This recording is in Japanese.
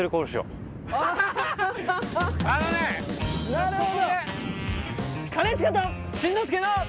なるほど。